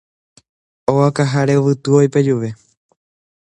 Óga okaháre Yvytu oipejuve